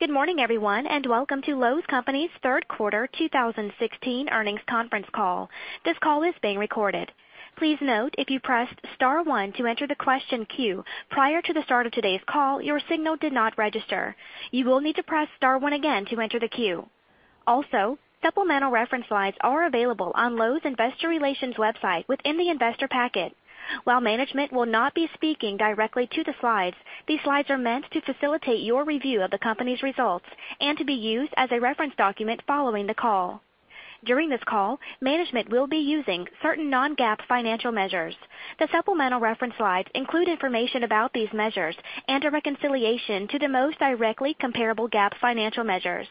Good morning, everyone, and welcome to Lowe's Companies Third Quarter 2016 Earnings Conference Call. This call is being recorded. Please note, if you pressed star one to enter the question queue prior to the start of today's call, your signal did not register. You will need to press star one again to enter the queue. Also, supplemental reference slides are available on Lowe's Investor Relations website within the investor packet. While management will not be speaking directly to the slides, these slides are meant to facilitate your review of the company's results and to be used as a reference document following the call. During this call, management will be using certain non-GAAP financial measures. The supplemental reference slides include information about these measures and a reconciliation to the most directly comparable GAAP financial measures.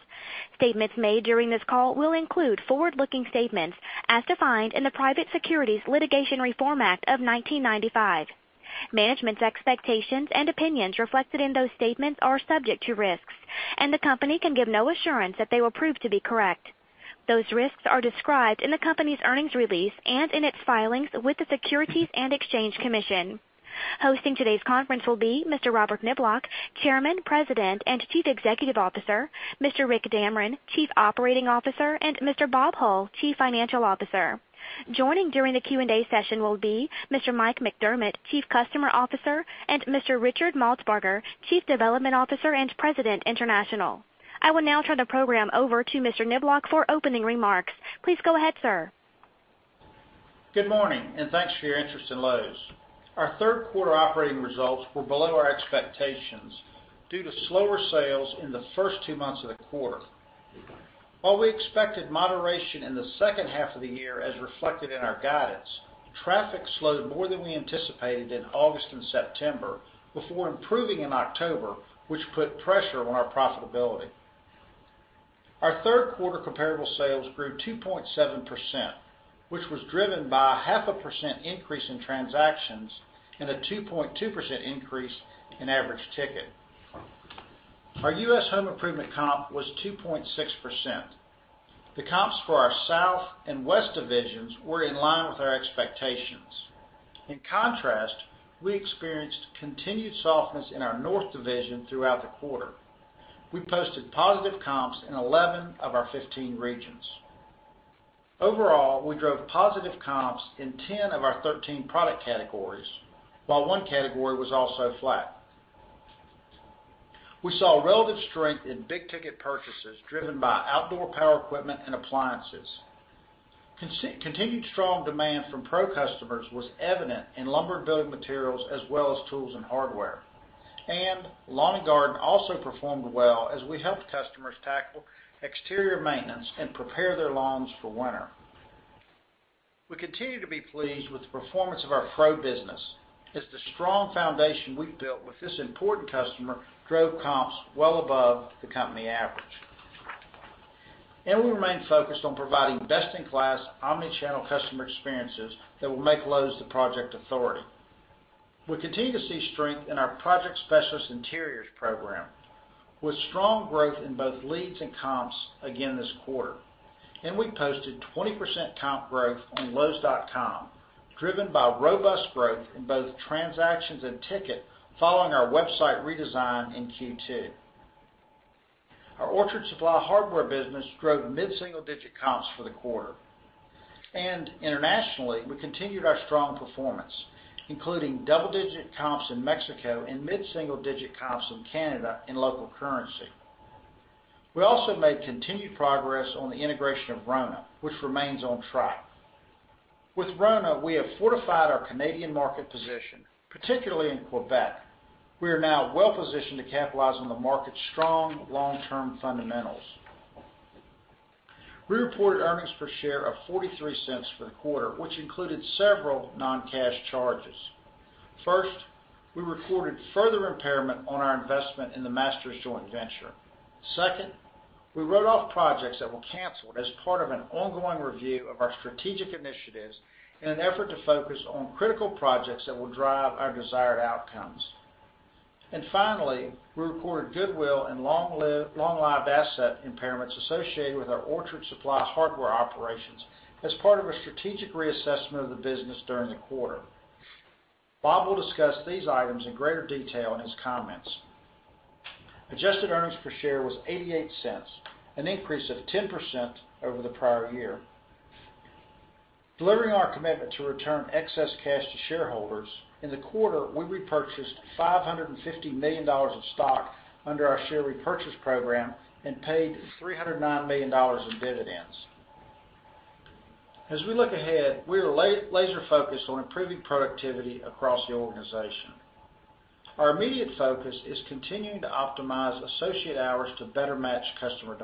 Statements made during this call will include forward-looking statements as defined in the Private Securities Litigation Reform Act of 1995. Management's expectations and opinions reflected in those statements are subject to risks, and the company can give no assurance that they will prove to be correct. Those risks are described in the company's earnings release and in its filings with the Securities and Exchange Commission. Hosting today's conference will be Mr. Robert Niblock, Chairman, President, and Chief Executive Officer, Mr. Rick Damron, Chief Operating Officer, and Mr. Bob Hull, Chief Financial Officer. Joining during the Q&A session will be Mr. Mike McDermott, Chief Customer Officer, and Mr. Richard Maltsbarger, Chief Development Officer and President, International. I will now turn the program over to Mr. Niblock for opening remarks. Please go ahead, sir. Good morning, and thanks for your interest in Lowe's. Our third quarter operating results were below our expectations due to slower sales in the first two months of the quarter. While we expected moderation in the second half of the year as reflected in our guidance, traffic slowed more than we anticipated in August and September before improving in October, which put pressure on our profitability. Our third quarter comparable sales grew 2.7%, which was driven by 0.5% increase in transactions and a 2.2% increase in average ticket. Our U.S. home improvement comp was 2.6%. The comps for our South and West divisions were in line with our expectations. In contrast, we experienced continued softness in our North division throughout the quarter. We posted positive comps in 11 of our 15 regions. Overall, we drove positive comps in 10 of our 13 product categories, while one category was also flat. We saw relative strength in big-ticket purchases driven by outdoor power equipment and appliances. Continued strong demand from pro customers was evident in lumber building materials as well as tools and hardware. Lawn and garden also performed well as we helped customers tackle exterior maintenance and prepare their lawns for winter. We continue to be pleased with the performance of our pro business, as the strong foundation we've built with this important customer drove comps well above the company average. We remain focused on providing best-in-class omni-channel customer experiences that will make Lowe's the project authority. We continue to see strength in our Project Specialist Interiors program, with strong growth in both leads and comps again this quarter. We posted 20% comp growth on lowes.com, driven by robust growth in both transactions and ticket following our website redesign in Q2. Our Orchard Supply Hardware business drove mid-single-digit comps for the quarter. Internationally, we continued our strong performance, including double-digit comps in Mexico and mid-single-digit comps in Canada in local currency. We also made continued progress on the integration of RONA, which remains on track. With RONA, we have fortified our Canadian market position, particularly in Quebec. We are now well positioned to capitalize on the market's strong long-term fundamentals. We reported earnings per share of $0.43 for the quarter, which included several non-cash charges. First, we recorded further impairment on our investment in the Masters joint venture. Second, we wrote off projects that were canceled as part of an ongoing review of our strategic initiatives in an effort to focus on critical projects that will drive our desired outcomes. Finally, we recorded goodwill and long-lived asset impairments associated with our Orchard Supply Hardware operations as part of a strategic reassessment of the business during the quarter. Bob will discuss these items in greater detail in his comments. Adjusted earnings per share was $0.88, an increase of 10% over the prior year. Delivering our commitment to return excess cash to shareholders, in the quarter, we repurchased $550 million of stock under our share repurchase program and paid $309 million in dividends. As we look ahead, we are laser focused on improving productivity across the organization. Our immediate focus is continuing to optimize associate hours to better match customer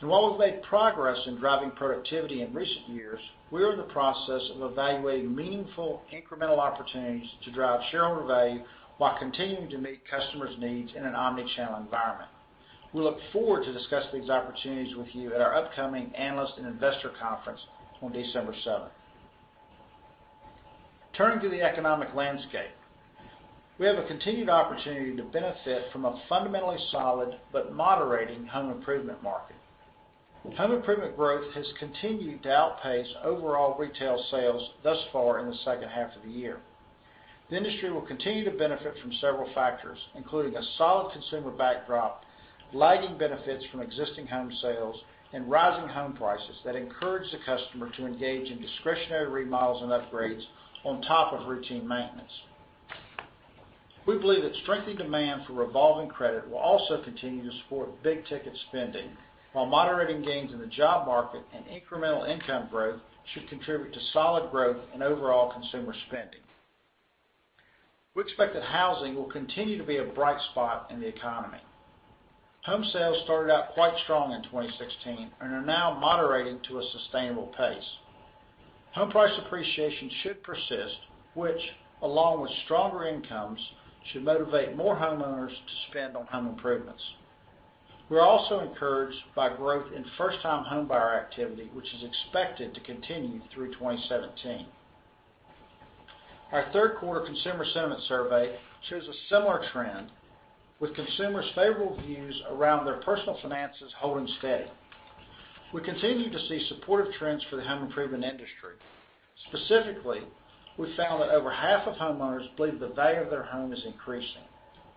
demand. While we've made progress in driving productivity in recent years, we are in the process of evaluating meaningful, incremental opportunities to drive shareholder value while continuing to meet customers' needs in an omnichannel environment. We look forward to discussing these opportunities with you at our upcoming Analyst and Investor Conference on December 7th. Turning to the economic landscape, we have a continued opportunity to benefit from a fundamentally solid but moderating home improvement market. Home improvement growth has continued to outpace overall retail sales thus far in the second half of the year. The industry will continue to benefit from several factors, including a solid consumer backdrop, lagging benefits from existing home sales, and rising home prices that encourage the customer to engage in discretionary remodels and upgrades on top of routine maintenance. We believe that strengthening demand for revolving credit will also continue to support big-ticket spending, while moderating gains in the job market and incremental income growth should contribute to solid growth in overall consumer spending. We expect that housing will continue to be a bright spot in the economy. Home sales started out quite strong in 2016 and are now moderating to a sustainable pace. Home price appreciation should persist, which, along with stronger incomes, should motivate more homeowners to spend on home improvements. We're also encouraged by growth in first-time homebuyer activity, which is expected to continue through 2017. Our third quarter Consumer Sentiment Survey shows a similar trend, with consumers' favorable views around their personal finances holding steady. We continue to see supportive trends for the home improvement industry. Specifically, we found that over half of homeowners believe the value of their home is increasing,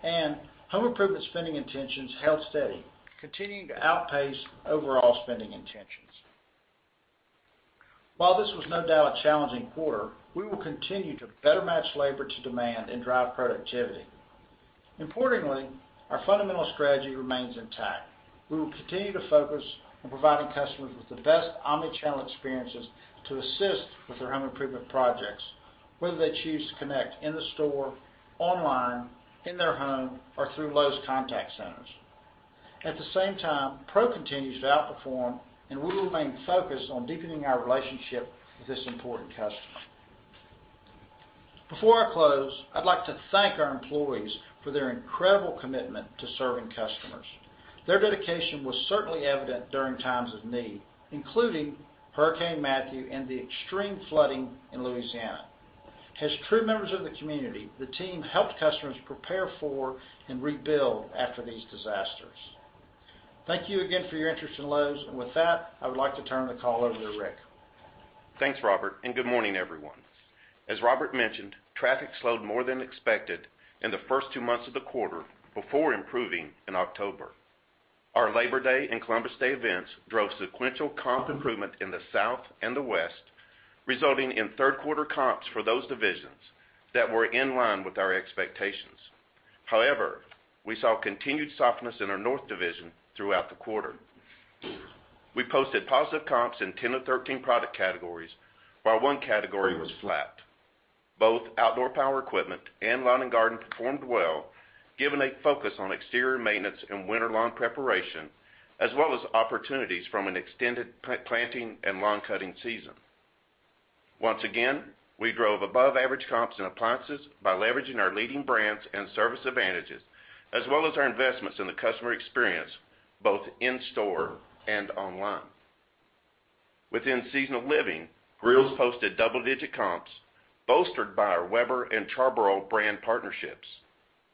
and home improvement spending intentions held steady, continuing to outpace overall spending intentions. While this was no doubt a challenging quarter, we will continue to better match labor to demand and drive productivity. Importantly, our fundamental strategy remains intact. We will continue to focus on providing customers with the best omnichannel experiences to assist with their home improvement projects, whether they choose to connect in the store, online, in their home, or through Lowe's contact centers. At the same time, Pro continues to outperform, and we remain focused on deepening our relationship with this important customer. Before I close, I'd like to thank our employees for their incredible commitment to serving customers. Their dedication was certainly evident during times of need, including Hurricane Matthew and the extreme flooding in Louisiana. As true members of the community, the team helped customers prepare for and rebuild after these disasters. Thank you again for your interest in Lowe's. With that, I would like to turn the call over to Rick. Thanks, Robert, good morning, everyone. As Robert mentioned, traffic slowed more than expected in the first two months of the quarter before improving in October. Our Labor Day and Columbus Day events drove sequential comp improvement in the South and the West, resulting in third quarter comps for those divisions that were in line with our expectations. However, we saw continued softness in our North division throughout the quarter. We posted positive comps in 10 of 13 product categories, while one category was flat. Both outdoor power equipment and lawn and garden performed well, given a focus on exterior maintenance and winter lawn preparation, as well as opportunities from an extended planting and lawn-cutting season. Once again, we drove above-average comps in appliances by leveraging our leading brands and service advantages, as well as our investments in the customer experience, both in store and online. Within Seasonal Living, grills posted double-digit comps, bolstered by our Weber and Char-Broil brand partnerships.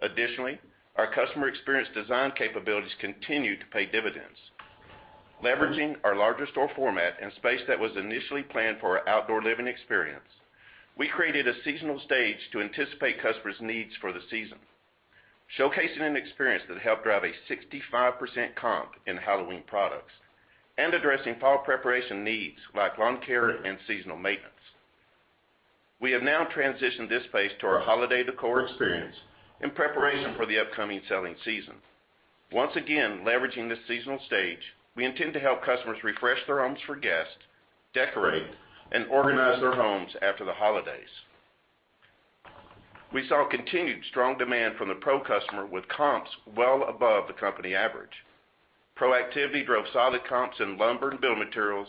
Additionally, our customer experience design capabilities continued to pay dividends. Leveraging our larger store format and space that was initially planned for our outdoor living experience, we created a seasonal stage to anticipate customers' needs for the season, showcasing an experience that helped drive a 65% comp in Halloween products and addressing fall preparation needs like lawn care and seasonal maintenance. We have now transitioned this space to our holiday decor experience in preparation for the upcoming selling season. Once again, leveraging this seasonal stage, we intend to help customers refresh their homes for guests, decorate, and organize their homes after the holidays. We saw continued strong demand from the Pro customer, with comps well above the company average. Pro activity drove solid comps in lumber and build materials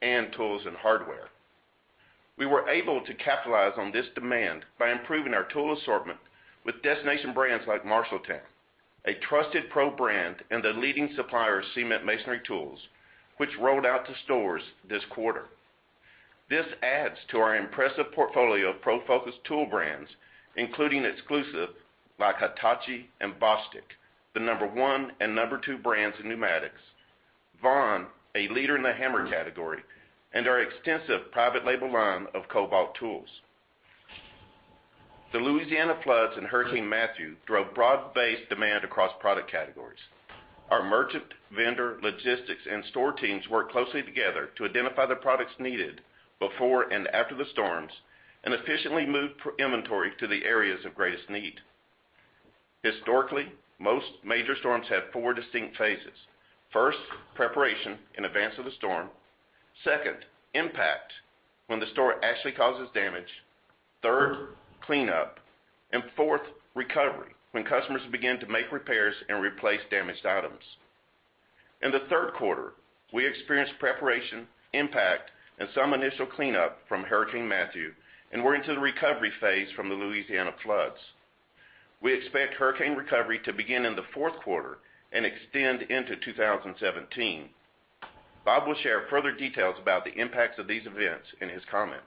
and tools and hardware. We were able to capitalize on this demand by improving our tool assortment with destination brands like Marshalltown, a trusted Pro brand and the leading supplier of cement masonry tools, which rolled out to stores this quarter. This adds to our impressive portfolio of Pro-focused tool brands, including exclusive, like Hitachi and Bostitch, the number 1 and number 2 brands in pneumatics; Vaughan, a leader in the hammer category; and our extensive private label line of Kobalt tools. The Louisiana floods and Hurricane Matthew drove broad-based demand across product categories. Our merchant, vendor, logistics, and store teams worked closely together to identify the products needed before and after the storms and efficiently moved inventory to the areas of greatest need. Historically, most major storms have 4 distinct phases. First, preparation in advance of the storm. Second, impact when the storm actually causes damage. Third, cleanup. Fourth, recovery, when customers begin to make repairs and replace damaged items. In the third quarter, we experienced preparation, impact, and some initial cleanup from Hurricane Matthew, and we're into the recovery phase from the Louisiana floods. We expect hurricane recovery to begin in the fourth quarter and extend into 2017. Bob will share further details about the impacts of these events in his comments.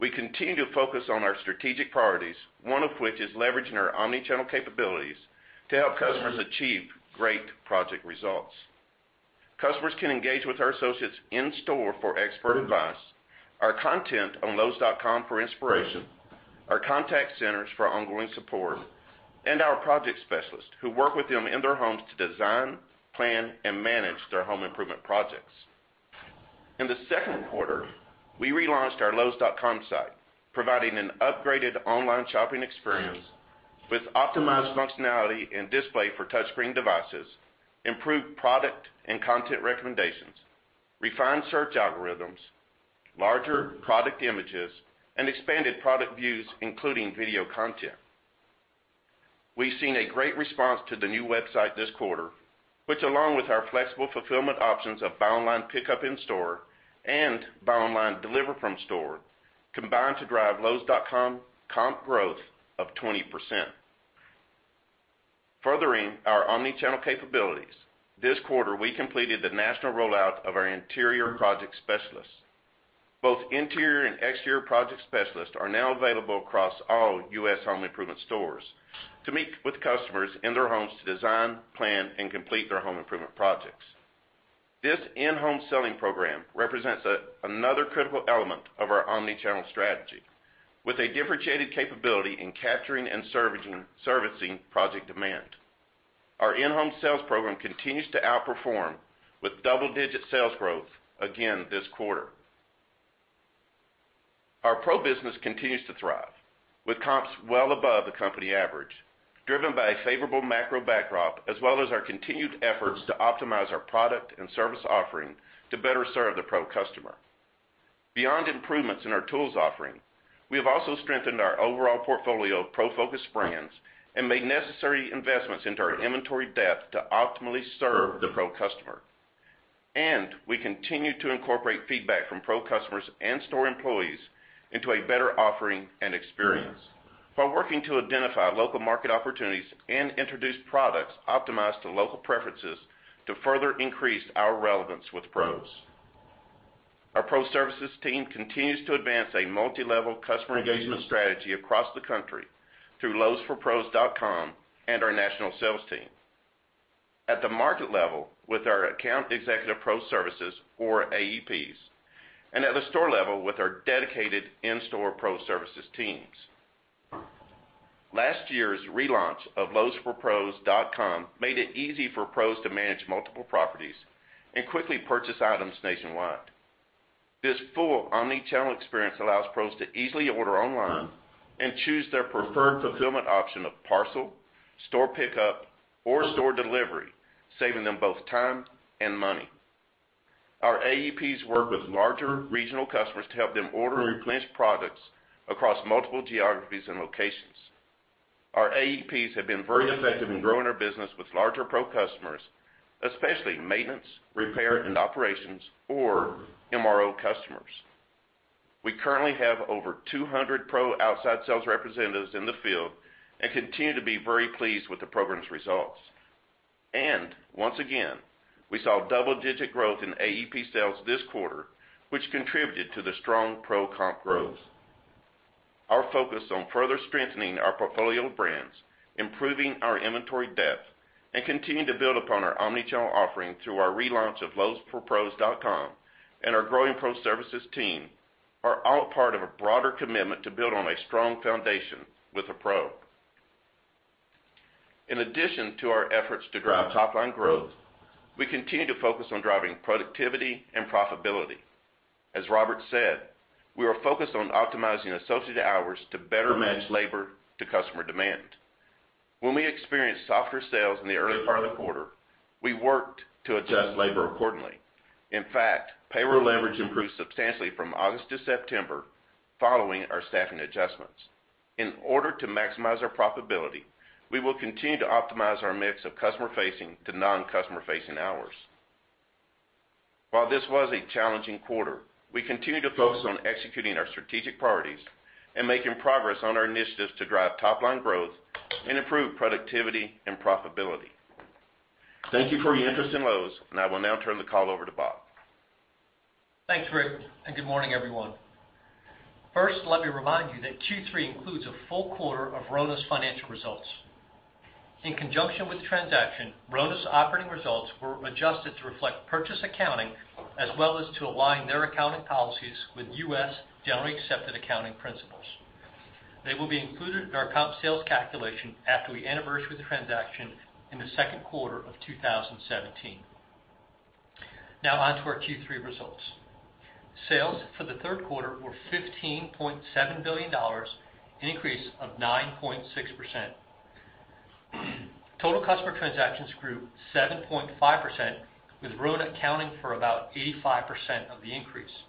We continue to focus on our strategic priorities, one of which is leveraging our omni-channel capabilities to help customers achieve great project results. Customers can engage with our associates in store for expert advice, our content on lowes.com for inspiration, our contact centers for ongoing support, and our project specialists who work with them in their homes to design, plan, and manage their home improvement projects. In the second quarter, we relaunched our lowes.com site, providing an upgraded online shopping experience with optimized functionality and display for touchscreen devices, improved product and content recommendations, refined search algorithms, larger product images, and expanded product views, including video content. We've seen a great response to the new website this quarter, which, along with our flexible fulfillment options of Buy Online Pickup in Store and Buy Online Deliver from Store, combined to drive lowes.com comp growth of 20%. Furthering our omni-channel capabilities, this quarter, we completed the national rollout of our interior project specialists. Both interior and exterior project specialists are now available across all U.S. home improvement stores to meet with customers in their homes to design, plan, and complete their home improvement projects. This in-home selling program represents another critical element of our omni-channel strategy, with a differentiated capability in capturing and servicing project demand. Our in-home sales program continues to outperform, with double-digit sales growth again this quarter. Our pro business continues to thrive, with comps well above the company average, driven by a favorable macro backdrop as well as our continued efforts to optimize our product and service offering to better serve the pro customer. Beyond improvements in our tools offering, we have also strengthened our overall portfolio of pro-focused brands and made necessary investments into our inventory depth to optimally serve the pro customer. We continue to incorporate feedback from pro customers and store employees into a better offering and experience while working to identify local market opportunities and introduce products optimized to local preferences to further increase our relevance with pros. Our Pro Services team continues to advance a multilevel customer engagement strategy across the country through lowesforpros.com and our national sales team. At the market level with our account executive pro services, or AEPs, and at the store level with our dedicated in-store Pro Services teams. Last year's relaunch of lowesforpros.com made it easy for pros to manage multiple properties and quickly purchase items nationwide. This full omni-channel experience allows pros to easily order online and choose their preferred fulfillment option of parcel, store pickup, or store delivery, saving them both time and money. Our AEPs work with larger regional customers to help them order replenished products across multiple geographies and locations. Our AEPs have been very effective in growing our business with larger pro customers, especially maintenance, repair, and operations, or MRO customers. We currently have over 200 pro outside sales representatives in the field and continue to be very pleased with the program's results. Once again, we saw double-digit growth in AEP sales this quarter, which contributed to the strong Pro comp growth. Our focus on further strengthening our portfolio of brands, improving our inventory depth, and continuing to build upon our omni-channel offering through our relaunch of lowesforpros.com and our growing Pro Services team are all part of a broader commitment to build on a strong foundation with a Pro. In addition to our efforts to drive top-line growth, we continue to focus on driving productivity and profitability. As Robert said, we are focused on optimizing associate hours to better match labor to customer demand. When we experienced softer sales in the early part of the quarter, we worked to adjust labor accordingly. In fact, payroll leverage improved substantially from August to September following our staffing adjustments. In order to maximize our profitability, we will continue to optimize our mix of customer-facing to non-customer-facing hours. While this was a challenging quarter, we continue to focus on executing our strategic priorities and making progress on our initiatives to drive top-line growth and improve productivity and profitability. Thank you for your interest in Lowe's, and I will now turn the call over to Bob. Thanks, Rick, and good morning, everyone. First, let me remind you that Q3 includes a full quarter of RONA's financial results. In conjunction with the transaction, RONA's operating results were adjusted to reflect purchase accounting as well as to align their accounting policies with U.S. generally accepted accounting principles. They will be included in our comp sales calculation after we anniversary the transaction in the second quarter of 2017. On to our Q3 results. Sales for the third quarter were $15.7 billion, an increase of 9.6%. Total customer transactions grew 7.5%, with RONA accounting for about 85% of the increase,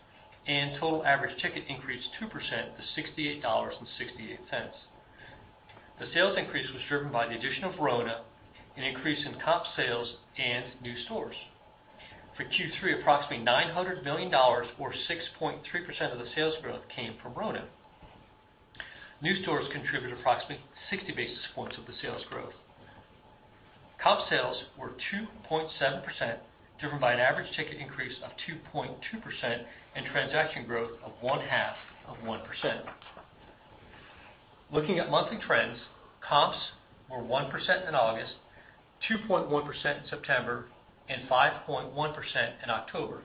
and total average ticket increased 2% to $68.68. The sales increase was driven by the addition of RONA, an increase in comp sales, and new stores. For Q3, approximately $900 million, or 6.3% of the sales growth, came from RONA. New stores contributed approximately 60 basis points of the sales growth. Comp sales were 2.7%, driven by an average ticket increase of 2.2% and transaction growth of one-half of 1%. Looking at monthly trends, comps were 1% in August, 2.1% in September, and 5.1% in October.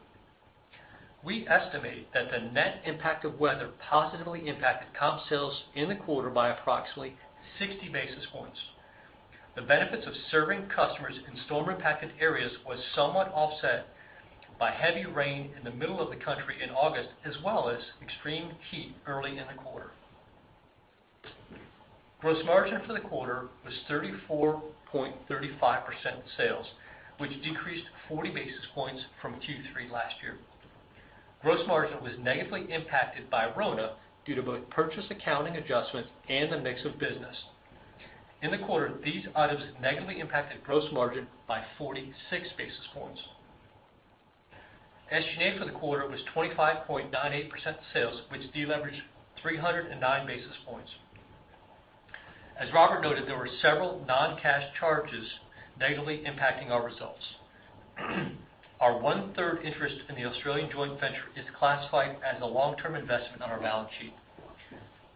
We estimate that the net impact of weather positively impacted comp sales in the quarter by approximately 60 basis points. The benefits of serving customers in storm-impacted areas was somewhat offset by heavy rain in the middle of the country in August, as well as extreme heat early in the quarter. Gross margin for the quarter was 34.35% sales, which decreased 40 basis points from Q3 last year. Gross margin was negatively impacted by RONA due to both purchase accounting adjustments and the mix of business. In the quarter, these items negatively impacted gross margin by 46 basis points. SG&A for the quarter was 25.98% of sales, which deleveraged 309 basis points. As Robert noted, there were several non-cash charges negatively impacting our results. Our one-third interest in the Australian joint venture is classified as a long-term investment on our balance sheet.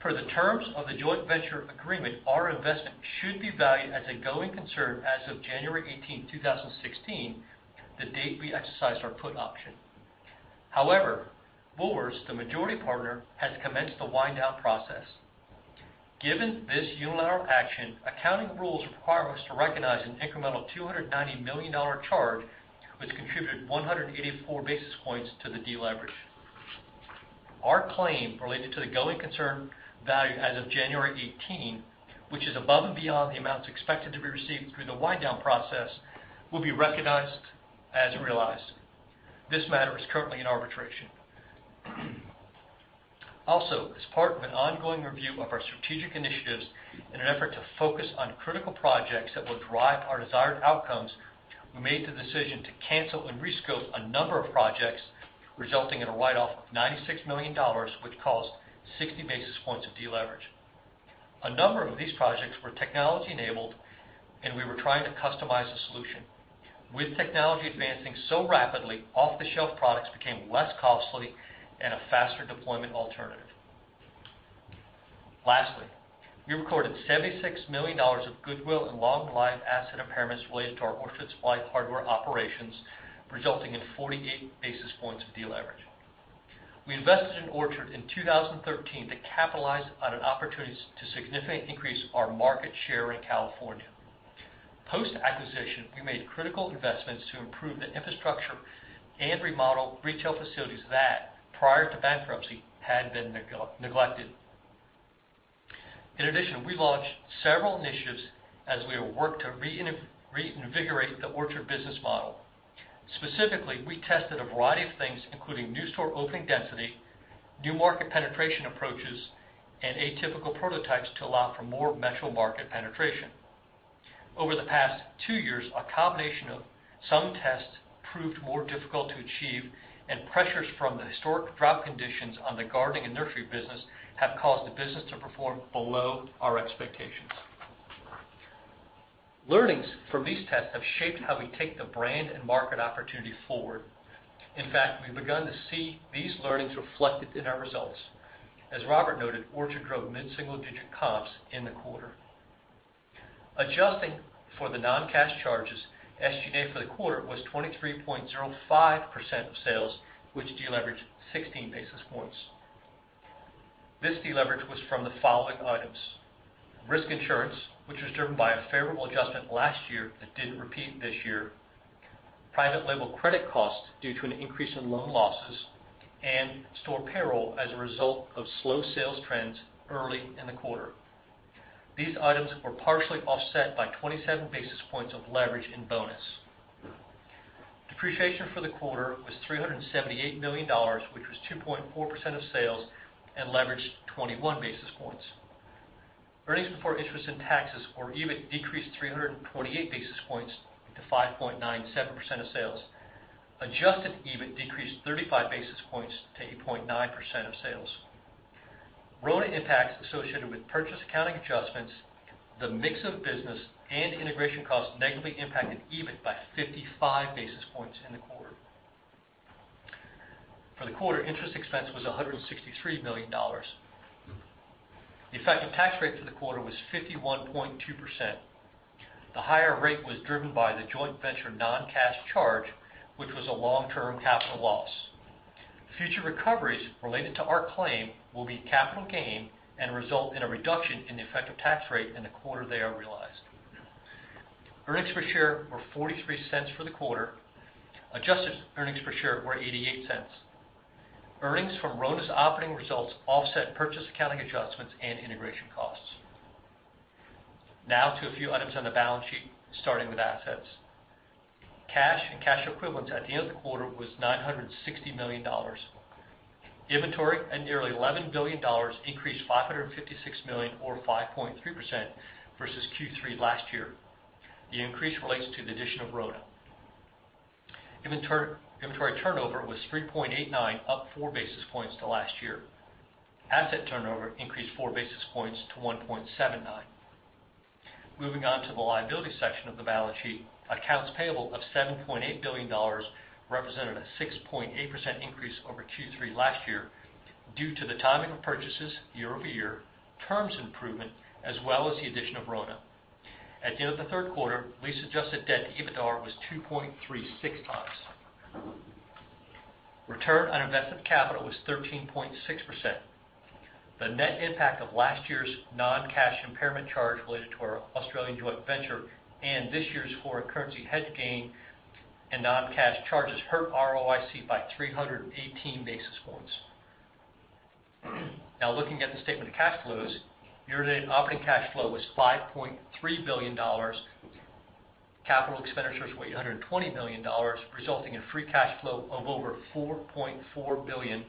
Per the terms of the joint venture agreement, our investment should be valued as a going concern as of January 18, 2016, the date we exercised our put option. However, Woolworths, the majority partner, has commenced the wind-down process. Given this unilateral action, accounting rules require us to recognize an incremental $290 million charge, which contributed 184 basis points to the deleverage. Our claim related to the going concern value as of January 18, which is above and beyond the amounts expected to be received through the wind-down process, will be recognized as realized. This matter is currently in arbitration. As part of an ongoing review of our strategic initiatives, in an effort to focus on critical projects that will drive our desired outcomes, we made the decision to cancel and rescope a number of projects, resulting in a write-off of $96 million, which caused 60 basis points of deleverage. A number of these projects were technology-enabled, and we were trying to customize a solution. With technology advancing so rapidly, off-the-shelf products became less costly and a faster deployment alternative. Lastly, we recorded $76 million of goodwill and long-lived asset impairments related to our Orchard Supply Hardware operations, resulting in 48 basis points of deleverage. We invested in Orchard in 2013 to capitalize on an opportunity to significantly increase our market share in California. Post-acquisition, we made critical investments to improve the infrastructure and remodel retail facilities that, prior to bankruptcy, had been neglected. We launched several initiatives as we have worked to reinvigorate the Orchard business model. Specifically, we tested a variety of things, including new store opening density, new market penetration approaches, and atypical prototypes to allow for more metro market penetration. Over the past two years, a combination of some tests proved more difficult to achieve, and pressures from the historic drought conditions on the gardening and nursery business have caused the business to perform below our expectations. Learnings from these tests have shaped how we take the brand and market opportunity forward. In fact, we've begun to see these learnings reflected in our results. As Robert noted, Orchard growth mid-single digit comps in the quarter. Adjusting for the non-cash charges, SG&A for the quarter was 23.05% of sales, which deleveraged 16 basis points. This deleverage was from the following items: Risk insurance, which was driven by a favorable adjustment last year that didn't repeat this year, private label credit costs due to an increase in loan losses, and store payroll as a result of slow sales trends early in the quarter. These items were partially offset by 27 basis points of leverage in bonus. Depreciation for the quarter was $378 million, which was 2.4% of sales and leveraged 21 basis points. Earnings before interest and taxes or EBIT decreased 328 basis points to 5.97% of sales. Adjusted EBIT decreased 35 basis points to 8.9% of sales. RONA impacts associated with purchase accounting adjustments, the mix of business, and integration costs negatively impacted EBIT by 55 basis points in the quarter. For the quarter, interest expense was $163 million. The effective tax rate for the quarter was 51.2%. The higher rate was driven by the joint venture non-cash charge, which was a long-term capital loss. Future recoveries related to our claim will be capital gain and result in a reduction in the effective tax rate in the quarter they are realized. Earnings per share were $0.43 for the quarter. Adjusted earnings per share were $0.88. Earnings from RONA's operating results offset purchase accounting adjustments and integration costs. To a few items on the balance sheet, starting with assets. Cash and cash equivalents at the end of the quarter was $960 million. Inventory at nearly $11 billion increased $556 million or 5.3% versus Q3 last year. The increase relates to the addition of RONA. Inventory turnover was 3.89, up four basis points to last year. Asset turnover increased four basis points to 1.79. Moving on to the liability section of the balance sheet, accounts payable of $7.8 billion represented a 6.8% increase over Q3 last year due to the timing of purchases year-over-year, terms improvement, as well as the addition of RONA. At the end of the third quarter, lease-adjusted debt to EBITDA was 2.36 times. Return on invested capital was 13.6%. The net impact of last year's non-cash impairment charge related to our Australian joint venture and this year's foreign currency hedge gain and non-cash charges hurt ROIC by 318 basis points. Now looking at the statement of cash flows, year-to-date operating cash flow was $5.3 billion. Capital expenditures were $820 million, resulting in free cash flow of over $4.4 billion,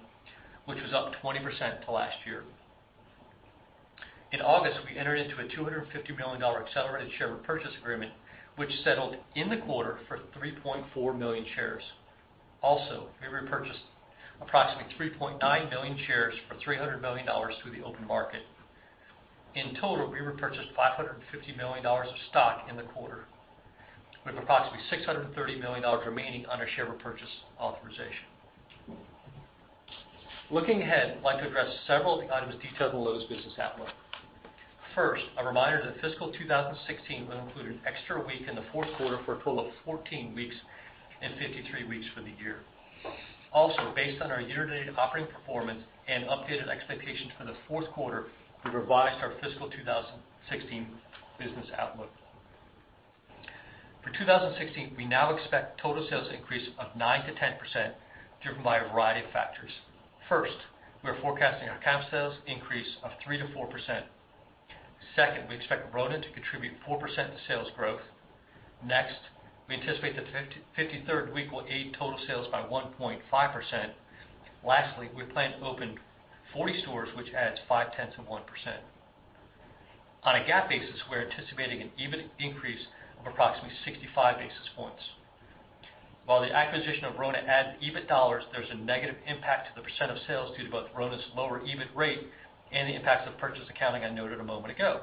which was up 20% to last year. In August, we entered into a $250 million accelerated share repurchase agreement, which settled in the quarter for 3.4 million shares. We repurchased approximately 3.9 million shares for $300 million through the open market. In total, we repurchased $550 million of stock in the quarter, with approximately $630 million remaining on our share repurchase authorization. Looking ahead, I'd like to address several of the items detailed in Lowe's business outlook. First, a reminder that fiscal 2016 will include an extra week in the fourth quarter for a total of 14 weeks and 53 weeks for the year. Based on our year-to-date operating performance and updated expectations for the fourth quarter, we revised our fiscal 2016 business outlook. For 2016, we now expect total sales increase of 9%-10%, driven by a variety of factors. First, we are forecasting our comp sales increase of 3%-4%. Second, we expect RONA to contribute 4% to sales growth. Next, we anticipate the 53rd week will aid total sales by 1.5%. We plan to open 40 stores, which adds five tenths of 1%. On a GAAP basis, we're anticipating an EBIT increase of approximately 65 basis points. While the acquisition of RONA adds EBIT dollars, there's a negative impact to the percent of sales due to both RONA's lower EBIT rate and the impacts of purchase accounting I noted a moment ago.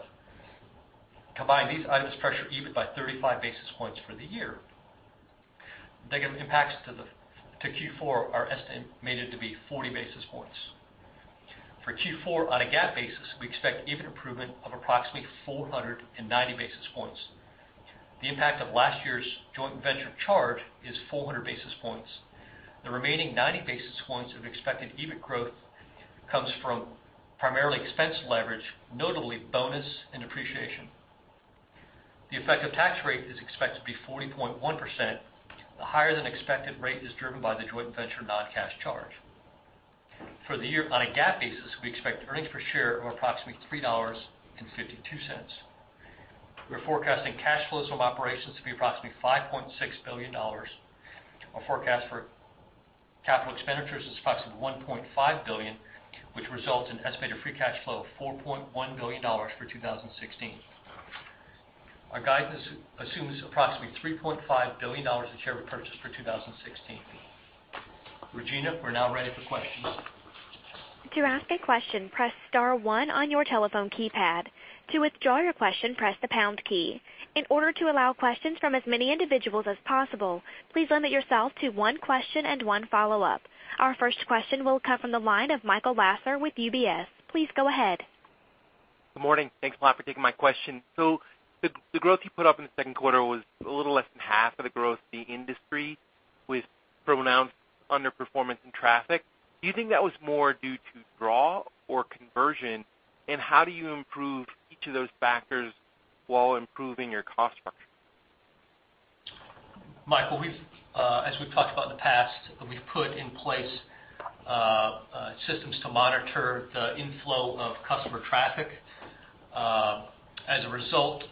Combined, these items pressure EBIT by 35 basis points for the year. The negative impacts to Q4 are estimated to be 40 basis points. For Q4, on a GAAP basis, we expect EBIT improvement of approximately 490 basis points. The impact of last year's joint venture charge is 400 basis points. The remaining 90 basis points of expected EBIT growth comes from primarily expense leverage, notably bonus and depreciation. The effective tax rate is expected to be 40.1%. The higher-than-expected rate is driven by the joint venture non-cash charge. For the year, on a GAAP basis, we expect earnings per share of approximately $3.52. We're forecasting cash flows from operations to be approximately $5.6 billion. Our forecast for capital expenditures is approximately $1.5 billion, which results in estimated free cash flow of $4.1 billion for 2016. Our guidance assumes approximately $3.5 billion in share repurchase for 2016. Regina, we're now ready for questions. To ask a question, press *1 on your telephone keypad. To withdraw your question, press the # key. In order to allow questions from as many individuals as possible, please limit yourself to one question and one follow-up. Our first question will come from the line of Michael Lasser with UBS. Please go ahead. Good morning. Thanks a lot for taking my question. The growth you put up in the second quarter was a little less than half of the growth in the industry, with pronounced underperformance in traffic. Do you think that was more due to draw or conversion? And how do you improve each of those factors while improving your cost structure? Michael, as we've talked about in the past, we've put in place systems to monitor the inflow of customer traffic. As a result,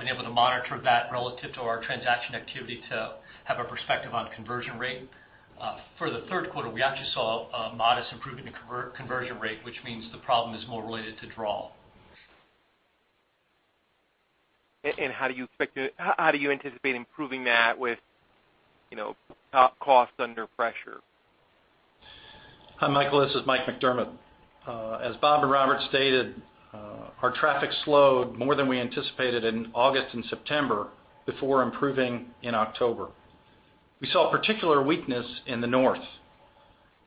being able to monitor that relative to our transaction activity to have a perspective on conversion rate. For the third quarter, we actually saw a modest improvement in conversion rate, which means the problem is more related to draw. How do you anticipate improving that with cost under pressure? Hi, Michael, this is Mike McDermott. As Bob and Robert stated, our traffic slowed more than we anticipated in August and September before improving in October. We saw particular weakness in the North.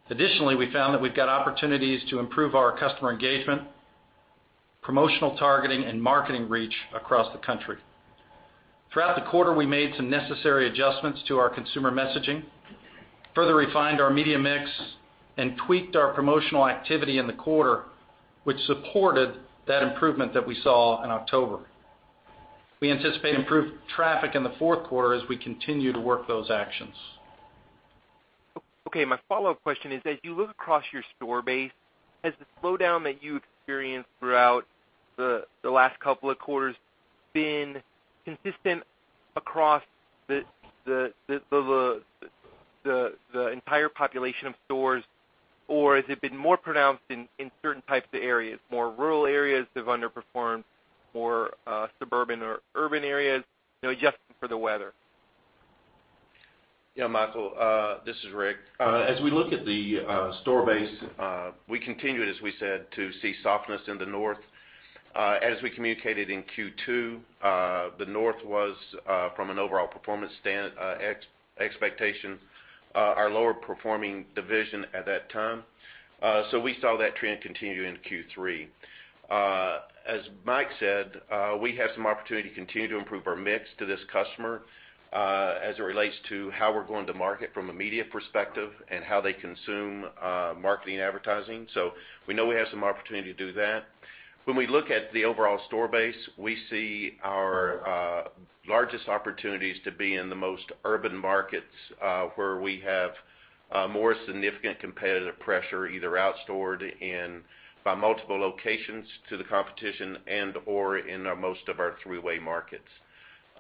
Additionally, we found that we've got opportunities to improve our customer engagement, promotional targeting, and marketing reach across the country. Throughout the quarter, we made some necessary adjustments to our consumer messaging, further refined our media mix, and tweaked our promotional activity in the quarter, which supported that improvement that we saw in October. We anticipate improved traffic in the fourth quarter as we continue to work those actions. Okay. My follow-up question is: as you look across your store base, has the slowdown that you experienced throughout the last couple of quarters been consistent across the entire population of stores? Has it been more pronounced in certain types of areas? More rural areas have underperformed more suburban or urban areas, adjusting for the weather. Yeah, Michael, this is Rick. As we look at the store base, we continued, as we said, to see softness in the North. As we communicated in Q2, the North was from an overall performance expectation our lower performing division at that time. We saw that trend continue into Q3. As Mike said, we have some opportunity to continue to improve our mix to this customer as it relates to how we're going to market from a media perspective and how they consume marketing advertising. We know we have some opportunity to do that. When we look at the overall store base, we see our largest opportunities to be in the most urban markets where we have more significant competitive pressure, either out stored in by multiple locations to the competition and or in most of our three-way markets.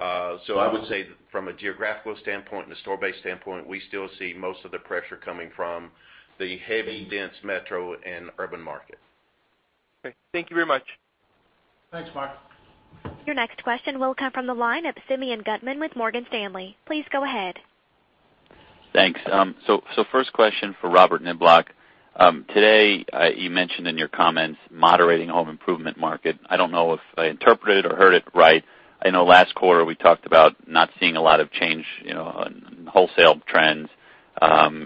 I would say from a geographical standpoint and a store-based standpoint, we still see most of the pressure coming from the heavy dense metro and urban market. Okay. Thank you very much. Thanks, Mark. Your next question will come from the line of Simeon Gutman with Morgan Stanley. Please go ahead. Thanks. First question for Robert Niblock. Today, you mentioned in your comments moderating home improvement market. I don't know if I interpreted or heard it right. I know last quarter we talked about not seeing a lot of change in wholesale trends.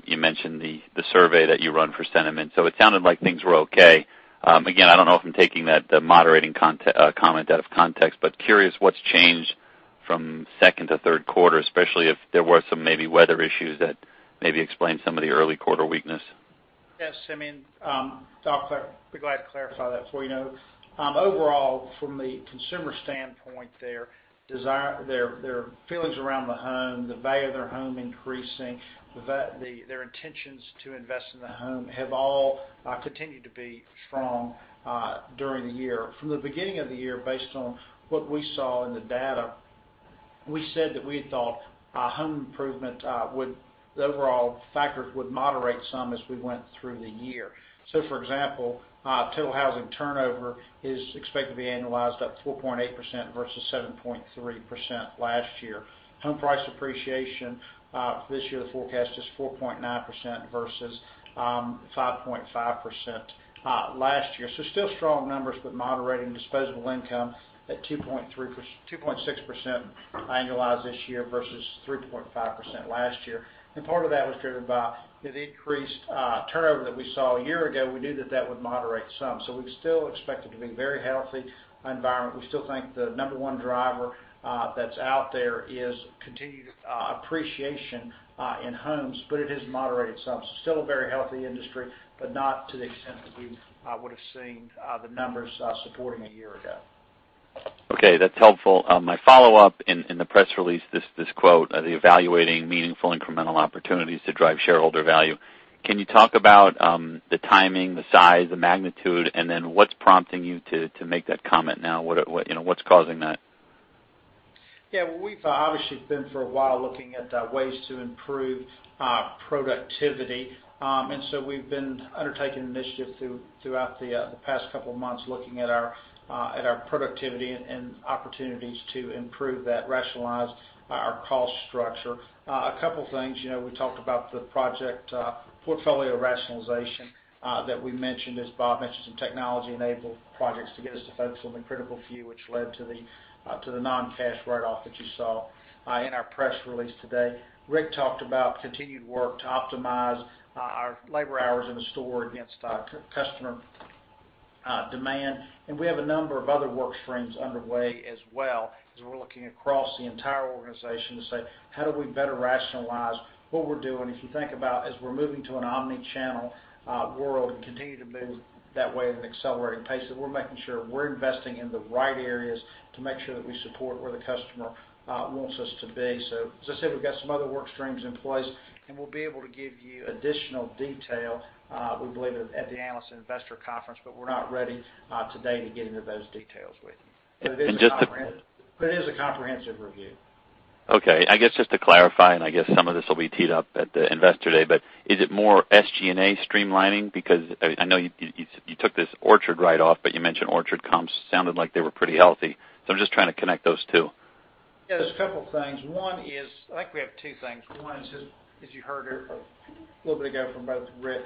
You mentioned the survey that you run for sentiment. It sounded like things were okay. Again, I don't know if I'm taking that moderating comment out of context, but curious what's changed from second to third quarter, especially if there were some maybe weather issues that maybe explain some of the early quarter weakness. Yes, Simeon. I'll be glad to clarify that for you. Overall, from the consumer standpoint, their feelings around the home, the value of their home increasing, their intentions to invest in the home have all continued to be strong during the year. From the beginning of the year, based on what we saw in the data, we said that we had thought home improvement would overall factor would moderate some as we went through the year. For example total housing turnover is expected to be annualized up 4.8% versus 7.3% last year. Home price appreciation for this year the forecast is 4.9% versus 5.5% last year. Still strong numbers, but moderating disposable income at 2.6% annualized this year versus 3.5% last year. Part of that was driven by the increased turnover that we saw a year ago. We knew that that would moderate some. We still expect it to be very healthy environment. We still think the number one driver that's out there is continued appreciation in homes, but it has moderated some. Still a very healthy industry, but not to the extent that we would've seen the numbers supporting a year ago. Okay. That's helpful. My follow-up in the press release, this quote, the evaluating meaningful incremental opportunities to drive shareholder value. Can you talk about the timing, the size, the magnitude, and then what's prompting you to make that comment now? What's causing that? Well, we've obviously been for a while looking at ways to improve productivity. So we've been undertaking initiatives throughout the past couple of months looking at our productivity and opportunities to improve that, rationalize our cost structure. A couple of things, we talked about the project portfolio rationalization that we mentioned, as Bob mentioned, some technology-enabled projects to get us to focus on the critical few, which led to the non-cash write-off that you saw in our press release today. Rick talked about continued work to optimize our labor hours in the store against customer demand. We have a number of other work streams underway as well because we're looking across the entire organization to say, how do we better rationalize what we're doing? If you think about as we're moving to an omnichannel world and continue to move that way at an accelerated pace, that we're making sure we're investing in the right areas to make sure that we support where the customer wants us to be. As I said, we've got some other work streams in place and we'll be able to give you additional detail we believe at the Analyst and Investor Conference, but we're not ready today to get into those details with you. Just to- It is a comprehensive review. Okay. I guess just to clarify, I guess some of this will be teed up at the Investor Day, is it more SG&A streamlining? I know you took this Orchard write-off, you mentioned Orchard comps sounded like they were pretty healthy. I'm just trying to connect those two. Yeah, there's a couple things. One is, I think we have two things. One is just as you heard here a little bit ago from both Rick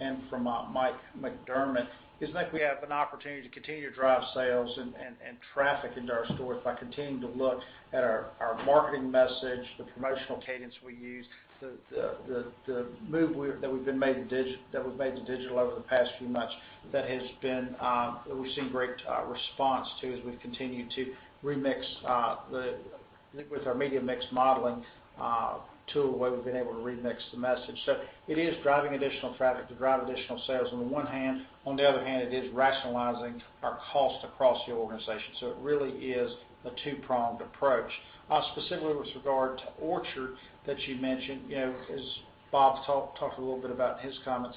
and from Mike McDermott, is I think we have an opportunity to continue to drive sales and traffic into our stores by continuing to look at our marketing message, the promotional cadence we use, the move that we've made to digital over the past few months that we've seen great response to as we've continued to remix with our media mix modeling To what we've been able to remix the message. It is driving additional traffic to drive additional sales on the one hand, on the other hand, it is rationalizing our cost across the organization. It really is a two-pronged approach. Specifically with regard to Orchard that you mentioned, as Bob talked a little bit about in his comments,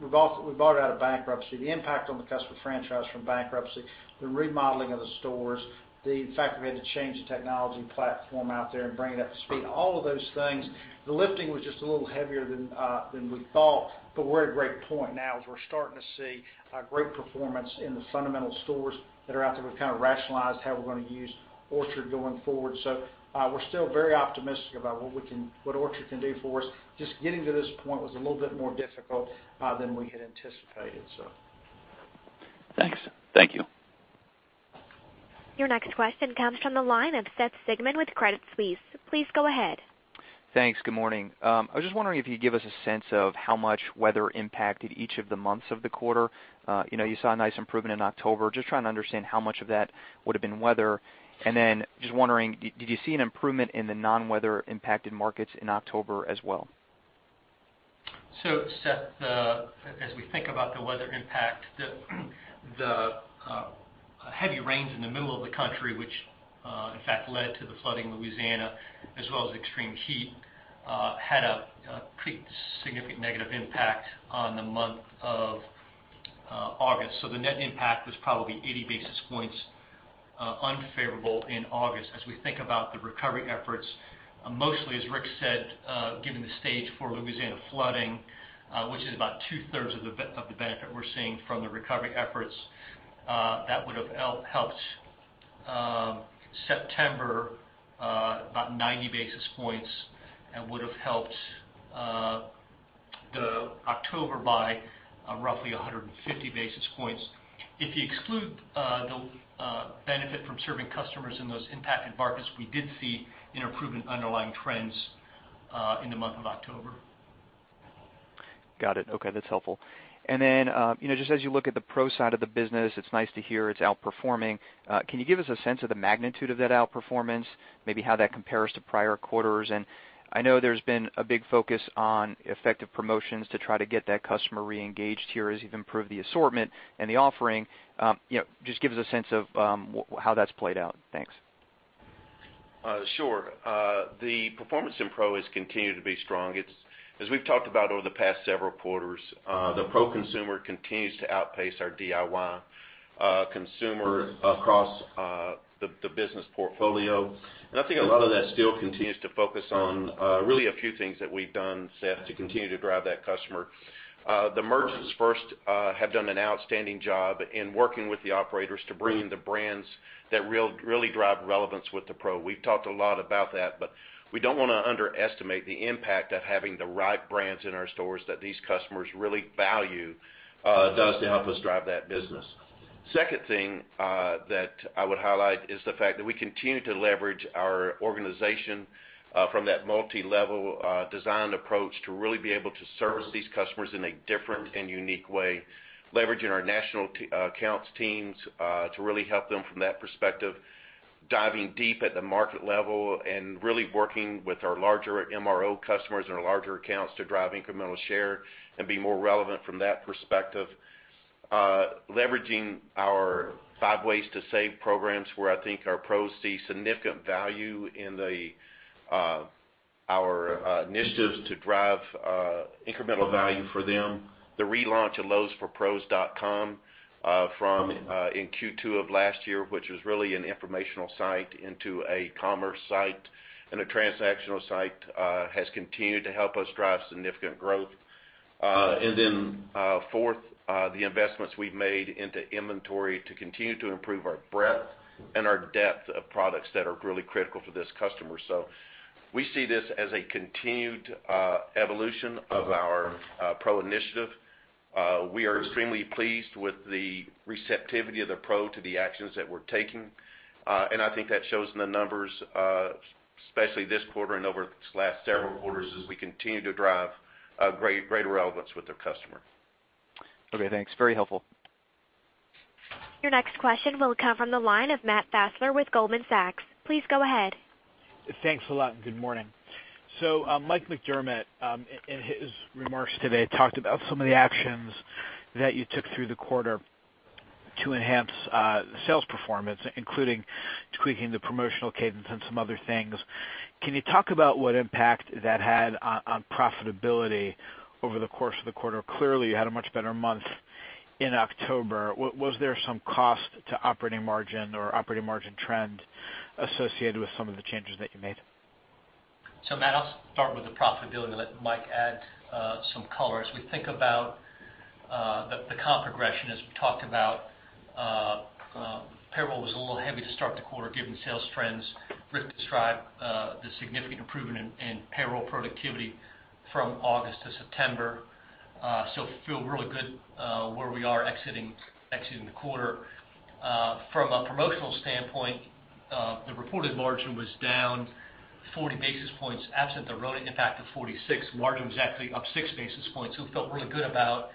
we bought it out of bankruptcy. The impact on the customer franchise from bankruptcy, the remodeling of the stores, the fact we had to change the technology platform out there and bring it up to speed, all of those things. The lifting was just a little heavier than we thought, we're at a great point now as we're starting to see great performance in the fundamental stores that are out there. We've rationalized how we're going to use Orchard going forward. We're still very optimistic about what Orchard can do for us. Just getting to this point was a little bit more difficult than we had anticipated. Thanks. Thank you. Your next question comes from the line of Seth Sigman with Credit Suisse. Please go ahead. Thanks. Good morning. I was just wondering if you'd give us a sense of how much weather impacted each of the months of the quarter. You saw a nice improvement in October. Just trying to understand how much of that would have been weather. Then just wondering, did you see an improvement in the non-weather impacted markets in October as well? Seth, as we think about the weather impact, the heavy rains in the middle of the country, which in fact led to the flooding in Louisiana, as well as extreme heat, had a pretty significant negative impact on the month of August. The net impact was probably 80 basis points unfavorable in August. As we think about the recovery efforts, mostly, as Rick said, giving the stage for Louisiana flooding, which is about two-thirds of the benefit we're seeing from the recovery efforts. That would have helped September about 90 basis points and would have helped October by roughly 150 basis points. If you exclude the benefit from serving customers in those impacted markets, we did see an improvement in underlying trends in the month of October. Got it. Okay. That's helpful. Then just as you look at the pro side of the business, it's nice to hear it's outperforming. Can you give us a sense of the magnitude of that outperformance, maybe how that compares to prior quarters? I know there's been a big focus on effective promotions to try to get that customer reengaged here as you've improved the assortment and the offering. Just give us a sense of how that's played out. Thanks. Sure. The performance in pro has continued to be strong. As we've talked about over the past several quarters, the pro consumer continues to outpace our DIY consumer across the business portfolio. I think a lot of that still continues to focus on really a few things that we've done, Seth, to continue to drive that customer. The merchants first have done an outstanding job in working with the operators to bring the brands that really drive relevance with the pro. We've talked a lot about that, but we don't want to underestimate the impact of having the right brands in our stores that these customers really value does to help us drive that business. Second thing that I would highlight is the fact that we continue to leverage our organization from that multilevel designed approach to really be able to service these customers in a different and unique way, leveraging our national accounts teams to really help them from that perspective, diving deep at the market level and really working with our larger MRO customers and our larger accounts to drive incremental share and be more relevant from that perspective. Leveraging our Five Ways to Save programs, where I think our pros see significant value in our initiatives to drive incremental value for them. The relaunch of lowesforpros.com in Q2 of last year, which was really an informational site into a commerce site and a transactional site has continued to help us drive significant growth. Fourth, the investments we've made into inventory to continue to improve our breadth and our depth of products that are really critical to this customer. We see this as a continued evolution of our pro initiative. We are extremely pleased with the receptivity of the pro to the actions that we're taking and I think that shows in the numbers especially this quarter and over these last several quarters as we continue to drive greater relevance with the customer. Okay, thanks. Very helpful. Your next question will come from the line of Matt Fassler with Goldman Sachs. Please go ahead. Thanks a lot, and good morning. Mike McDermott in his remarks today, talked about some of the actions that you took through the quarter to enhance sales performance, including tweaking the promotional cadence and some other things. Can you talk about what impact that had on profitability over the course of the quarter? Clearly, you had a much better month in October. Was there some cost to operating margin or operating margin trend associated with some of the changes that you made? Matt, I'll start with the profitability and let Mike add some color. We think about the comp progression, we talked about payroll was a little heavy to start the quarter given sales trends. Rick described the significant improvement in payroll productivity from August to September. Feel really good where we are exiting the quarter. From a promotional standpoint the reported margin was down 40 basis points absent the RONA impact of 46. Margin was actually up six basis points who felt really good about